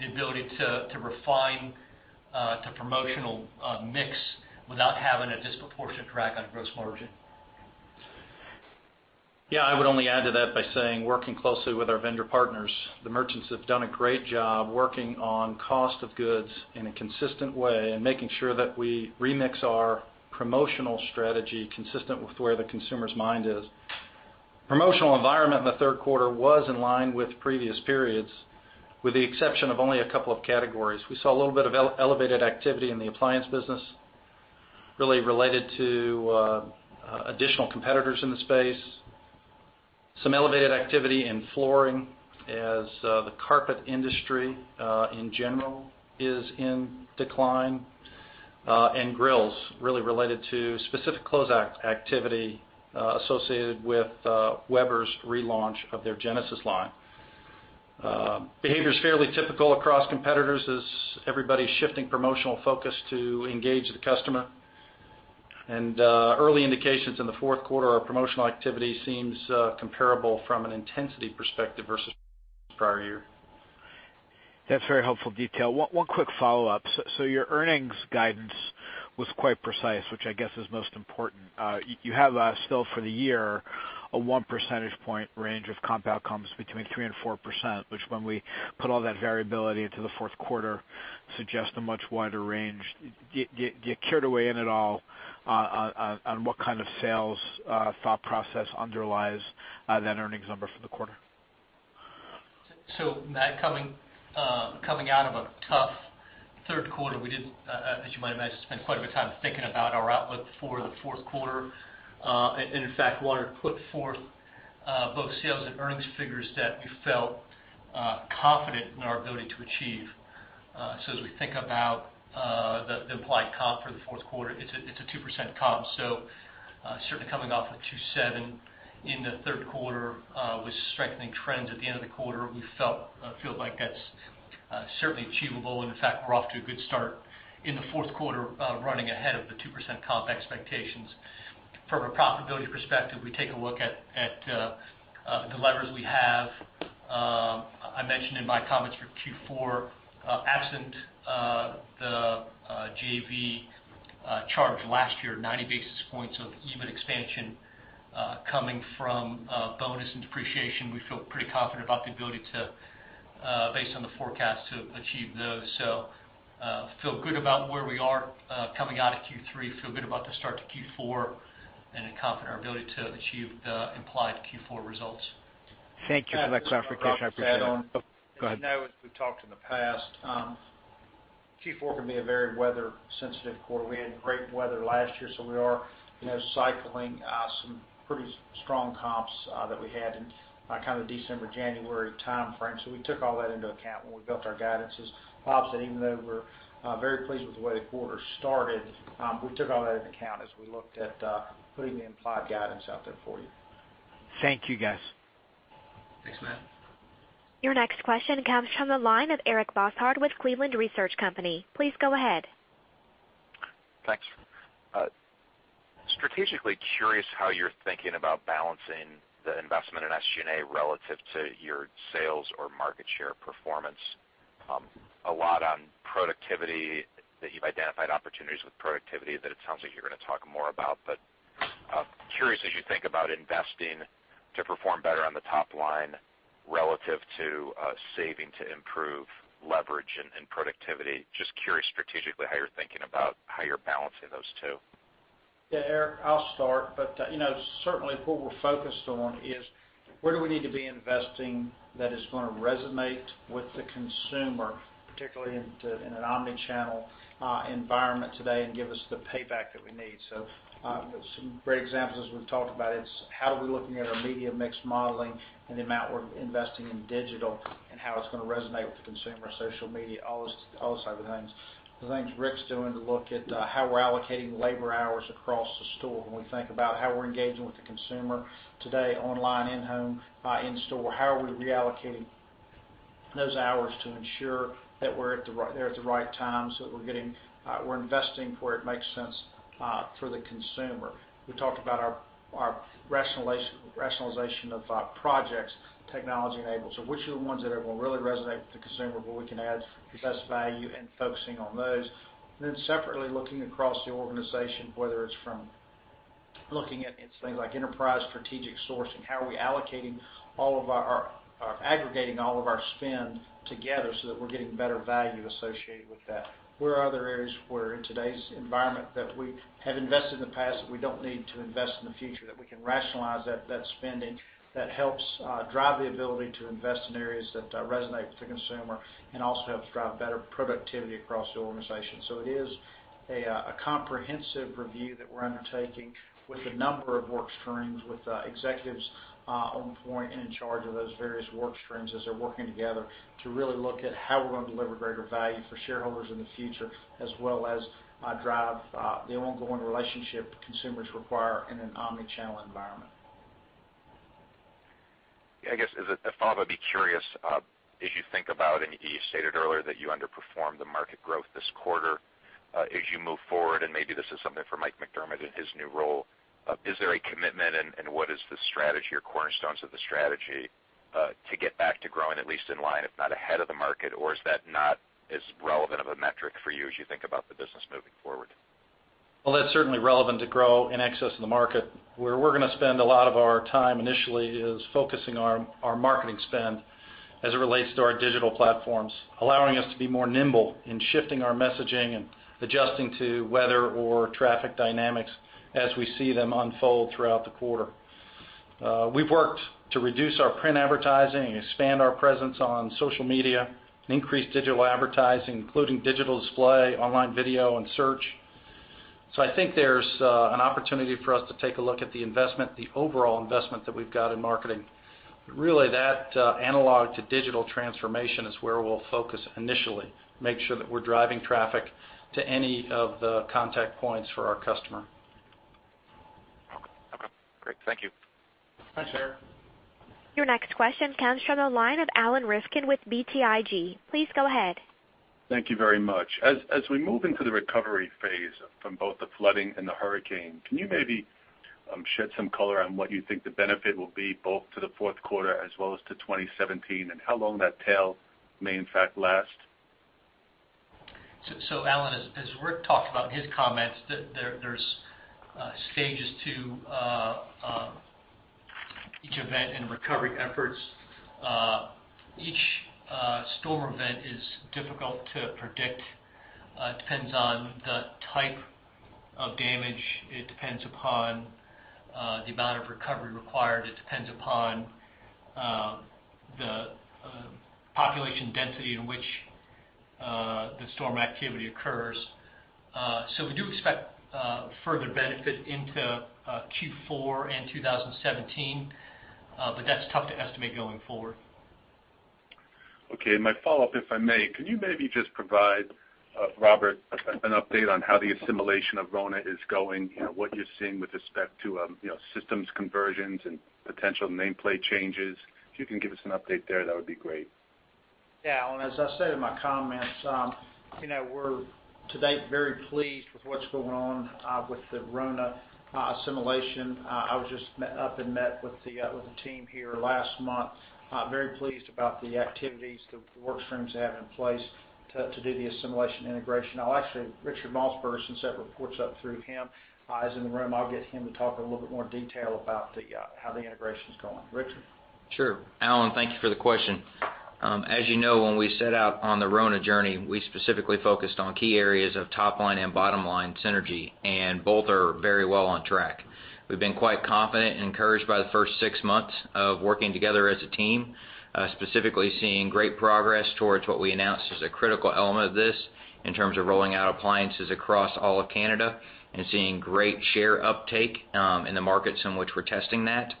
the ability to refine To promotional mix without having a disproportionate drag on gross margin. Yeah, I would only add to that by saying, working closely with our vendor partners, the merchants have done a great job working on cost of goods in a consistent way and making sure that we remix our promotional strategy consistent with where the consumer's mind is. Promotional environment in the third quarter was in line with previous periods, with the exception of only a couple of categories. We saw a little bit of elevated activity in the appliance business really related to additional competitors in the space. Some elevated activity in flooring as the carpet industry, in general, is in decline. Grills really related to specific closeout activity associated with Weber's relaunch of their Genesis line. Behavior's fairly typical across competitors as everybody's shifting promotional focus to engage the customer. Early indications in the fourth quarter, our promotional activity seems comparable from an intensity perspective versus prior year. That's very helpful detail. One quick follow-up. Your earnings guidance was quite precise, which I guess is most important. You have still for the year, a one percentage point range of compound comps between 3% and 4%, which when we put all that variability into the fourth quarter, suggests a much wider range. Do you care to weigh in at all on what kind of sales thought process underlies that earnings number for the quarter? Matt, coming out of a tough third quarter, we did, as you might imagine, spend quite a bit of time thinking about our outlook for the fourth quarter. In fact, wanted to put forth both sales and earnings figures that we felt confident in our ability to achieve. As we think about the implied comp for the fourth quarter, it's a 2% comp. Certainly coming off a 2.7 in the third quarter with strengthening trends at the end of the quarter, we feel like that's certainly achievable. In fact, we're off to a good start in the fourth quarter running ahead of the 2% comp expectations. From a profitability perspective, we take a look at the levers we have. I mentioned in my comments for Q4, absent the JV charge last year, 90 basis points of EBIT expansion coming from bonus and depreciation. We feel pretty confident about the ability to based on the forecast to achieve those. Feel good about where we are coming out of Q3, feel good about the start to Q4, and are confident in our ability to achieve the implied Q4 results. Thank you for that clarification. I appreciate it. Matt, if I could just add on. Oh, go ahead. As you know, as we've talked in the past, Q4 can be a very weather-sensitive quarter. We had great weather last year, we are cycling some pretty strong comps that we had in that December, January timeframe. We took all that into account when we built our guidances. Obviously, even though we're very pleased with the way the quarter started, we took all that into account as we looked at putting the implied guidance out there for you. Thank you, guys. Thanks, Matt. Your next question comes from the line of Eric Bosshard with Cleveland Research Company. Please go ahead. Thanks. Strategically curious how you're thinking about balancing the investment in SG&A relative to your sales or market share performance. A lot on productivity that you've identified opportunities with productivity that it sounds like you're going to talk more about. Curious as you think about investing to perform better on the top line relative to saving to improve leverage and productivity. Just curious strategically how you're thinking about how you're balancing those two. Yeah, Eric, I'll start. Certainly what we're focused on is where do we need to be investing that is going to resonate with the consumer, particularly in an omni-channel environment today, and give us the payback that we need. Some great examples, as we've talked about, is how are we looking at our media mix modeling and the amount we're investing in digital and how it's going to resonate with the consumer, social media, all those type of things. The things Rick's doing to look at how we're allocating labor hours across the store. When we think about how we're engaging with the consumer today, online, in-home, in-store, how are we reallocating those hours to ensure that we're there at the right time so that we're investing where it makes sense for the consumer. We talked about our rationalization of projects, technology-enabled. Which are the ones that will really resonate with the consumer where we can add the best value and focusing on those. Separately, looking across the organization, whether it's from looking at things like enterprise strategic sourcing, how are we aggregating all of our spend together so that we're getting better value associated with that. Where are other areas where in today's environment that we have invested in the past that we don't need to invest in the future, that we can rationalize that spending that helps drive the ability to invest in areas that resonate with the consumer and also helps drive better productivity across the organization. It is a comprehensive review that we're undertaking with a number of work streams, with executives on point and in charge of those various work streams as they're working together to really look at how we're going to deliver greater value for shareholders in the future, as well as drive the ongoing relationship consumers require in an omni-channel environment. Yeah, I guess as a follow-up, I'd be curious, as you think about and you stated earlier that you underperformed the market growth this quarter As you move forward, maybe this is something for Mike McDermott in his new role, is there a commitment and what is the strategy or cornerstones of the strategy to get back to growing at least in line, if not ahead of the market, or is that not as relevant of a metric for you as you think about the business moving forward? Well, that's certainly relevant to grow in excess of the market. Where we're going to spend a lot of our time initially is focusing on our marketing spend as it relates to our digital platforms, allowing us to be more nimble in shifting our messaging and adjusting to weather or traffic dynamics as we see them unfold throughout the quarter. We've worked to reduce our print advertising and expand our presence on social media, increase digital advertising, including digital display, online video and search. I think there's an opportunity for us to take a look at the investment, the overall investment that we've got in marketing. Really that analog to digital transformation is where we'll focus initially, make sure that we're driving traffic to any of the contact points for our customer. Okay, great. Thank you. Thanks, Aaron. Your next question comes from the line of Alan Rifkin with BTIG. Please go ahead. Thank you very much. As we move into the recovery phase from both the flooding and the hurricane, can you maybe shed some color on what you think the benefit will be both to the fourth quarter as well as to 2017, and how long that tail may in fact last? Alan, as Rick talked about in his comments, there's stages to each event and recovery efforts. Each storm event is difficult to predict. It depends on the type of damage. It depends upon the amount of recovery required. It depends upon the population density in which the storm activity occurs. We do expect further benefit into Q4 and 2017. That's tough to estimate going forward. Okay. My follow-up, if I may, can you maybe just provide, Robert, an update on how the assimilation of RONA is going? What you're seeing with respect to systems conversions and potential nameplate changes. If you can give us an update there, that would be great. Yeah. Alan, as I said in my comments, we're to date very pleased with what's going on with the RONA assimilation. I was just up and met with the team here last month. Very pleased about the activities, the work streams they have in place to do the assimilation integration. Actually, Richard Maltsbarger, since that reports up through him, is in the room. I'll get him to talk a little bit more detail about how the integration's going. Richard? Sure. Alan, thank you for the question. As you know, when we set out on the RONA journey, we specifically focused on key areas of top line and bottom line synergy, and both are very well on track. We've been quite confident and encouraged by the first six months of working together as a team, specifically seeing great progress towards what we announced as a critical element of this, in terms of rolling out appliances across all of Canada, and seeing great share uptake in the markets in which we're testing that.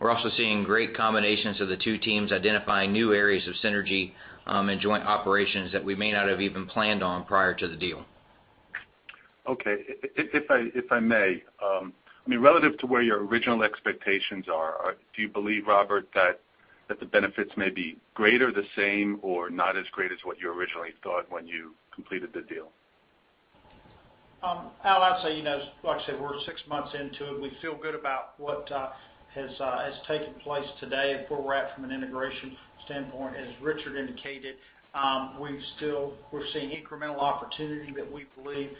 We're also seeing great combinations of the two teams identifying new areas of synergy, and joint operations that we may not have even planned on prior to the deal. Okay. If I may, I mean, relative to where your original expectations are, do you believe, Robert, that the benefits may be greater, the same, or not as great as what you originally thought when you completed the deal? Alan, I'd say, like I said, we're six months into it. We feel good about what has taken place today and where we're at from an integration standpoint. As Richard indicated, we're seeing incremental opportunity that we believe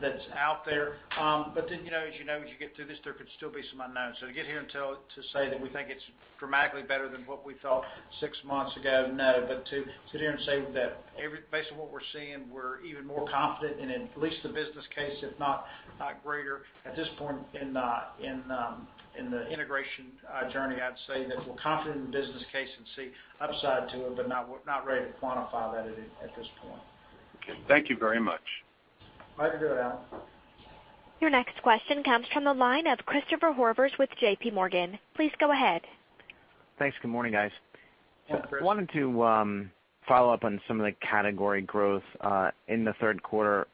that's out there. As you know, as you get through this, there could still be some unknowns. To get here and to say that we think it's dramatically better than what we thought six months ago, no. To sit here and say that based on what we're seeing, we're even more confident and at least the business case, if not greater at this point in the integration journey, I'd say that we're confident in the business case and see upside to it, but we're not ready to quantify that at this point. Okay. Thank you very much. Glad to do it, Alan. Your next question comes from the line of Christopher Horvers with JP Morgan. Please go ahead. Thanks. Good morning, guys. Hi, Chris. Wanted to follow up on some of the category growth, in the third quarter.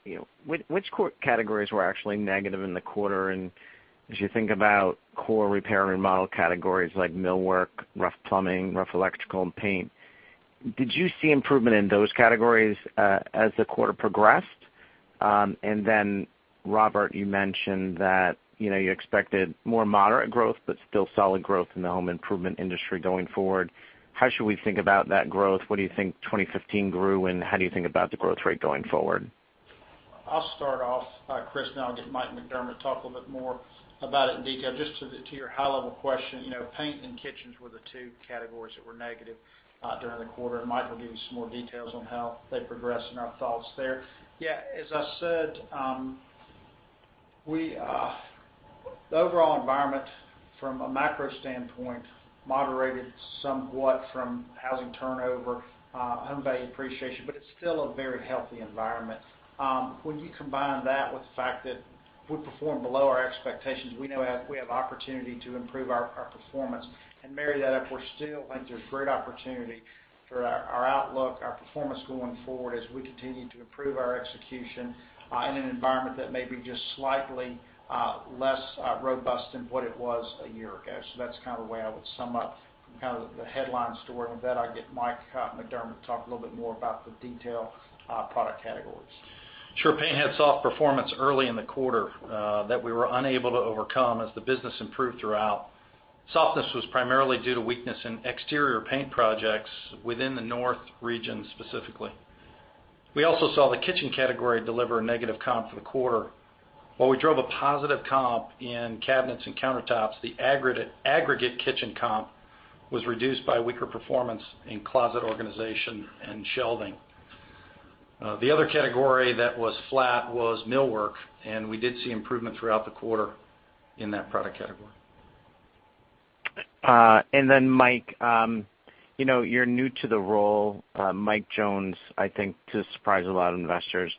Which core categories were actually negative in the quarter? As you think about core repair and remodel categories like millwork, rough plumbing, rough electrical, and paint, did you see improvement in those categories as the quarter progressed? Robert, you mentioned that you expected more moderate growth, but still solid growth in the home improvement industry going forward. How should we think about that growth? What do you think 2015 grew, and how do you think about the growth rate going forward? I'll start off, Chris, and then I'll get Mike McDermott to talk a little bit more about it in detail. Just to your high-level question, paint and kitchens were the two categories that were negative during the quarter, and Mike will give you some more details on how they progress and our thoughts there. Yeah, as I said, the overall environment from a macro standpoint moderated somewhat from housing turnover, home value appreciation, but it's still a very healthy environment. When you combine that with the fact that we performed below our expectations, we know we have opportunity to improve our performance and marry that up. We still think there's great opportunity for our outlook, our performance going forward as we continue to improve our execution, in an environment that may be just slightly less robust than what it was a year ago. That's kind of the way I would sum up kind of the headlines to where I'm at. I'll get Mike McDermott to talk a little bit more about the detail product categories. Sure. Paint had soft performance early in the quarter, that we were unable to overcome as the business improved throughout Softness was primarily due to weakness in exterior paint projects within the north region specifically. We also saw the kitchen category deliver a negative comp for the quarter. While we drove a positive comp in cabinets and countertops, the aggregate kitchen comp was reduced by weaker performance in closet organization and shelving. The other category that was flat was millwork, we did see improvement throughout the quarter in that product category. Mike, you're new to the role. Mike Jones, I think to surprise a lot of investors,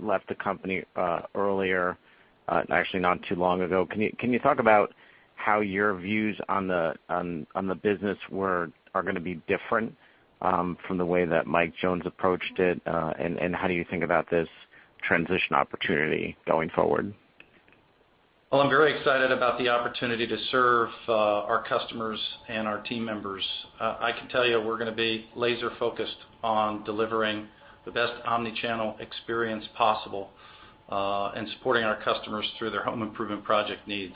left the company earlier, actually not too long ago. Can you talk about how your views on the business are going to be different from the way that Mike Jones approached it? How do you think about this transition opportunity going forward? I'm very excited about the opportunity to serve our customers and our team members. I can tell you we're going to be laser-focused on delivering the best omnichannel experience possible, and supporting our customers through their home improvement project needs.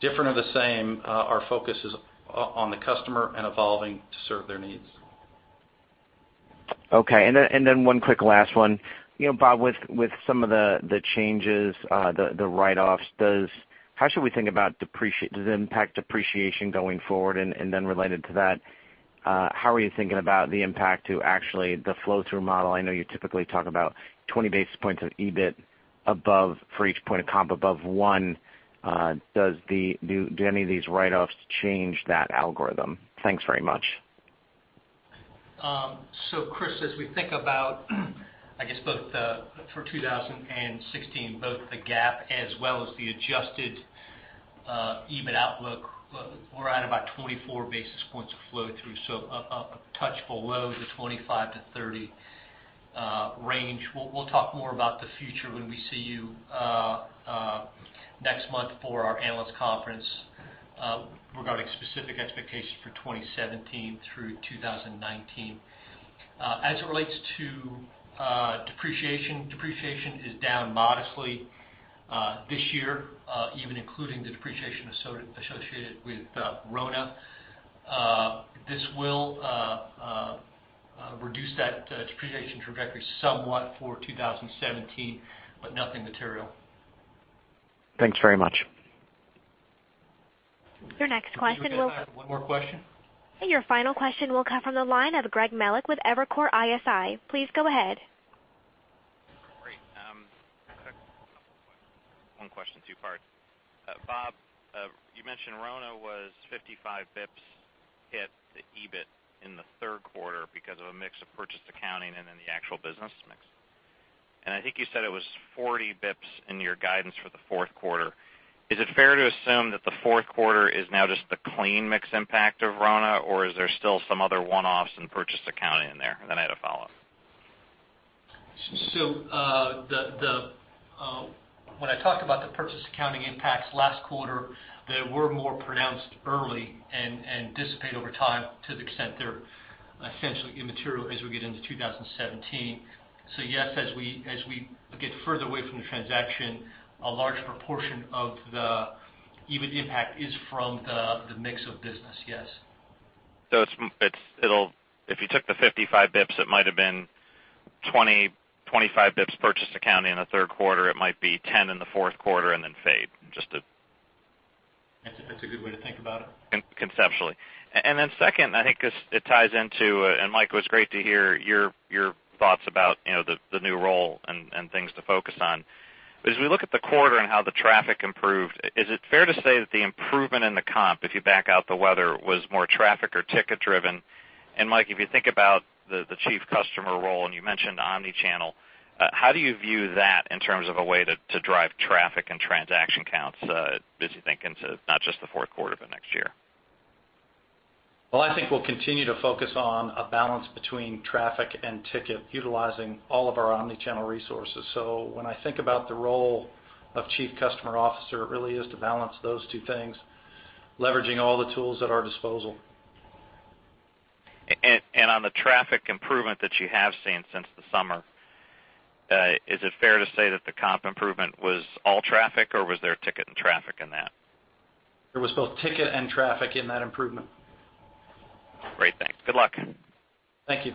Different or the same, our focus is on the customer and evolving to serve their needs. Okay. One quick last one. Bob, with some of the changes, the write-offs, how should we think about the impact depreciation going forward? Related to that, how are you thinking about the impact to actually the flow-through model? I know you typically talk about 20 basis points of EBIT above for each point of comp above one. Do any of these write-offs change that algorithm? Thanks very much. Chris, as we think about, I guess, both for 2016, both the GAAP as well as the adjusted EBIT outlook, we're at about 24 basis points of flow-through, a touch below the 25 to 30 range. We'll talk more about the future when we see you next month for our analyst conference regarding specific expectations for 2017 through 2019. As it relates to depreciation is down modestly this year, even including the depreciation associated with RONA. This will reduce that depreciation trajectory somewhat for 2017, but nothing material. Thanks very much. Your next question will One more question. Your final question will come from the line of Greg Melich with Evercore ISI. Please go ahead. Great. One question, two parts. Bob, you mentioned RONA was 55 bips hit to EBIT in the third quarter because of a mix of purchase accounting and then the actual business mix. I think you said it was 40 bips in your guidance for the fourth quarter. Is it fair to assume that the fourth quarter is now just the clean mix impact of RONA, or is there still some other one-offs and purchase accounting in there? Then I had a follow-up. When I talked about the purchase accounting impacts last quarter, they were more pronounced early and dissipate over time to the extent they're essentially immaterial as we get into 2017. Yes, as we get further away from the transaction, a large proportion of the EBIT impact is from the mix of business, yes. If you took the 55 basis points, it might've been 20, 25 basis points purchase accounting in the third quarter. It might be 10 in the fourth quarter, and then fade. That's a good way to think about it. Conceptually. Then second, I think this ties into, and Mike, it was great to hear your thoughts about the new role and things to focus on. As we look at the quarter and how the traffic improved, is it fair to say that the improvement in the comp, if you back out the weather, was more traffic or ticket driven? Mike, if you think about the Chief Customer role, and you mentioned omnichannel, how do you view that in terms of a way to drive traffic and transaction counts as you think into not just the fourth quarter, but next year? Well, I think we'll continue to focus on a balance between traffic and ticket, utilizing all of our omnichannel resources. When I think about the role of chief customer officer, it really is to balance those two things, leveraging all the tools at our disposal. On the traffic improvement that you have seen since the summer, is it fair to say that the comp improvement was all traffic, or was there ticket and traffic in that? There was both ticket and traffic in that improvement. Great, thanks. Good luck. Thank you.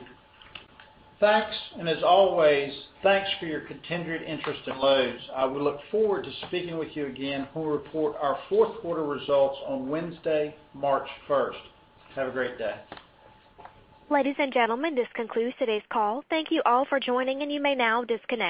Thanks, and as always, thanks for your continued interest in Lowe's. I would look forward to speaking with you again when we report our fourth quarter results on Wednesday, March 1st. Have a great day. Ladies and gentlemen, this concludes today's call. Thank you all for joining, and you may now disconnect.